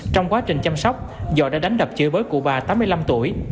trong quá trình chăm sóc giọ đã đánh đập chửi bới cụ bà tám mươi năm tuổi